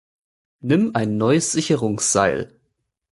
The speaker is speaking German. Nimm ein neues Sicherungsseil.